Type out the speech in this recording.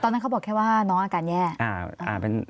ตอนนั้นเขาบอกแค่ว่าน้องอาการแย่